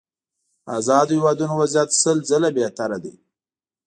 ازادو هېوادونو وضعيت سل ځله بهتره دي.